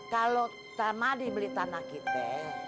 kalo sama dibeli tanah kita